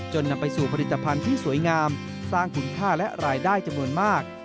นำไปสู่ผลิตภัณฑ์ที่สวยงามสร้างคุณค่าและรายได้จำนวนมาก